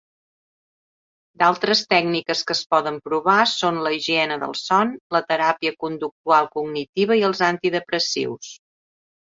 D'altres tècniques que es poden provar són la higiene del son, la teràpia conductual cognitiva i els antidepressius.